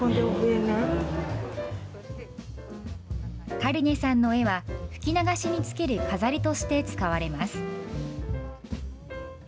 カリネさんの絵は吹き流しにつける飾りとして使われます。